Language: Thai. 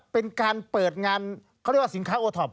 เป็นการเปิดงานเขาเรียกว่าสินค้าโอท็อป